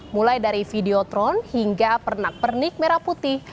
mulai dari videotron hingga pernak pernik merah putih